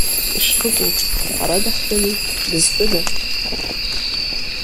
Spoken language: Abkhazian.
Ишԥыкәу, ҳара даҳтәыми, дызтәыда!